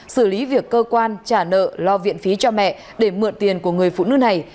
xử lý việc cơ quan trả nợ lo viện phí cho mẹ để mượn tiền của người phụ nữ này